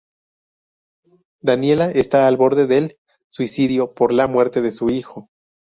Daniela está al borde del suicidio por la muerte de su hijo.